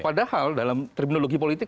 padahal dalam terminologi politik